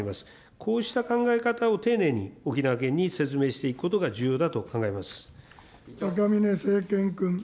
こうした考え方を丁寧に沖縄県に説明していくことが重要だと考え赤嶺政賢君。